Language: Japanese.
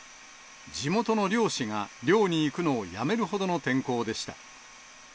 地元の漁師が漁に行くのをやめるほどの天候でした。